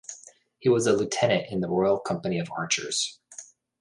He was a Lieutenant in the Royal Company of Archers.